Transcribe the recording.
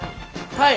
はい。